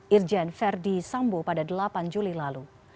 irjen verdi sambo pada delapan juli lalu